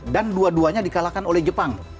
dan dua duanya di kalahkan oleh jepang